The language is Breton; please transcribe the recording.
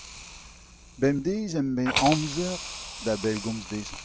Bemdez em bez amzer da bellgomz dezhañ.